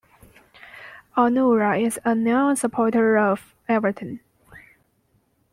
Onuora is a known supporter of Everton.